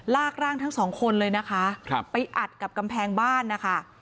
ลากร่างทั้งสองคนเลยนะคะไปอัดกับกำแพงบ้านนะคะ